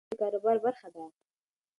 فشارونه د کاروبار برخه ده.